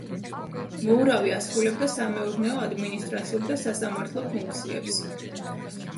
მოურავი ასრულებდა სამეურნეო, ადმინისტრაციულ და სასამართლო ფუნქციებს.